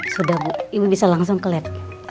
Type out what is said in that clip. sudah ibu bisa langsung ke lab